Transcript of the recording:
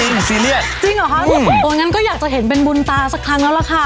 เล่นจริงซีเรียสจริงเหรอคะอืมโอ้ยอย่างงั้นก็อยากจะเห็นเป็นบุญตาสักครั้งแล้วล่ะค่ะ